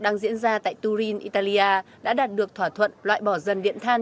đang diễn ra tại turin italia đã đạt được thỏa thuận loại bỏ dần điện than